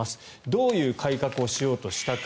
どういう改革をしようとしたか。